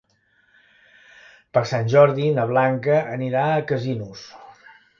Per Sant Jordi na Blanca anirà a Casinos.